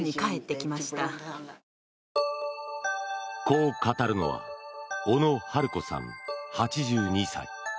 こう語るのは小野春子さん、８２歳。